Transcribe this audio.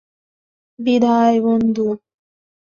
বিদায়, বন্ধু।